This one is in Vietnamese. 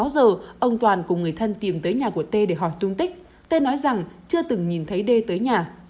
sáu giờ ông toàn cùng người thân tìm tới nhà của tê để hỏi tung tích tê nói rằng chưa từng nhìn thấy đê tới nhà